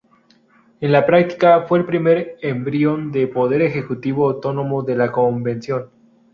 En la práctica, fue el primer embrión de poder ejecutivo autónomo de la Convención.